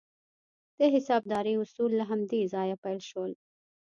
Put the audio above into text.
د حسابدارۍ اصول له همدې ځایه پیل شول.